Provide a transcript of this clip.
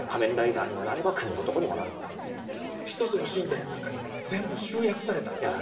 一つの身体の中にもう全部集約されたというか。